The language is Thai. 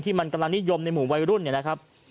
มันกำลังนิยมในหมู่วัยรุ่นเนี่ยนะครับ